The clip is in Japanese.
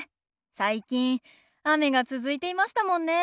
最近雨が続いていましたもんね。